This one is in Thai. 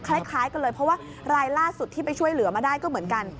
คล้ายกันเลยเพราะว่ารายล่าสุดที่ไปช่วยเหลือมาได้ก็เหมือนกัน